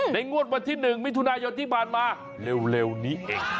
ในงวดปันที่หนึ่งมิถุนายที่ผ่านมาเร็วนี้เอง